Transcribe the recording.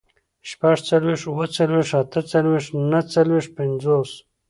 شپږڅلوېښت، اووه څلوېښت، اته څلوېښت، نهه څلوېښت، پينځوس